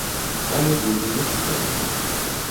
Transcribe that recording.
Але тут і яшчэ адно.